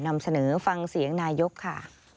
นำเสนอฟังเสียงนายกค่ะ